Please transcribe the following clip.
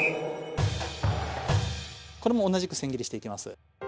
これも同じくせん切りしていきます。